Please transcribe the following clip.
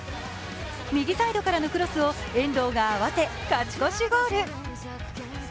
右サイドからのクロスを遠藤が合わせ、勝ち越しゴール。